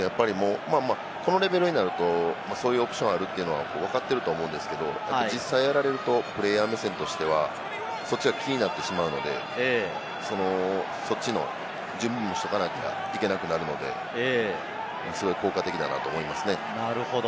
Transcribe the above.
このレベルになると、そういうオプションがあるってのはわかってると思うんですけど、実際やられると、プレーヤー目線としてはそっちが気になってしまうので、そっちの準備もしておかなきゃいけなくなるので、すごい効果的だなと思いますね。